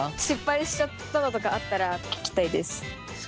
失敗しちゃったのとかあったら聞きたいです。